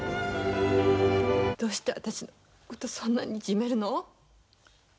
どうして私の事そんなにいじめるの？